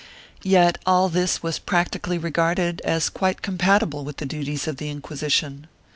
Yet all this was practically regarded as quite compatible with the duties of the Inquisition.